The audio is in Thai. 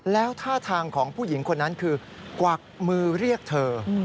แล้วท่าทางของผู้หญิงคนนั้นคือกวักมือเรียกเธอ